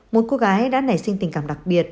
một cô gái đã nảy sinh tình cảm đặc biệt